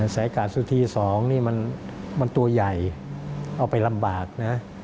สายกาดสุธี๒นี่มันตัวใหญ่เอาไปลำบากนะ